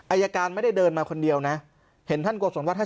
อายการไม่ได้เดินมาคนเดียวนะเห็นท่านโกศลว่าท่าน